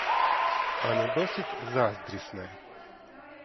А не досить заздрісне?